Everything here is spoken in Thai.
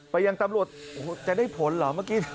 ไปยังตำรวจโอ้โหจะได้ผลเหรอ